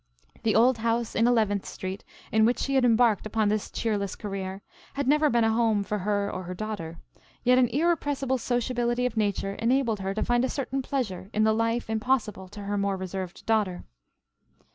The old house in Eleventh Street, in which she had embarked upon this cheerless career, had never been a home for her or her daughter. Yet an irrepressible sociability of nature enabled her to find a certain pleasure in the life impossible to her more reserved daughter.